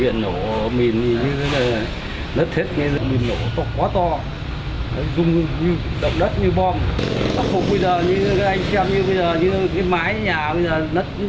như anh xem như bây giờ như cái mái nhà bây giờ nất như thế này